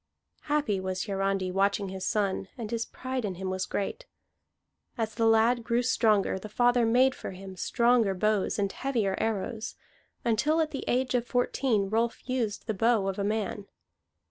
Happy was Hiarandi watching his son, and his pride in him was great. As the lad grew stronger, the father made for him stronger bows and heavier arrows, until at the age of fourteen Rolf used the bow of a man.